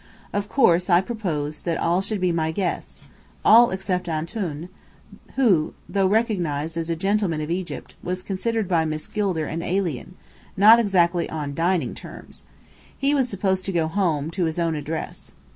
Of course, I proposed that all should be my guests all except "Antoun" who, though recognized as a gentleman of Egypt, was considered by Miss Gilder an alien, not exactly on "dining terms." He was supposed to go home, "to his own address."